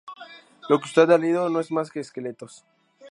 Lo que usted ha leído no es más que esqueletos".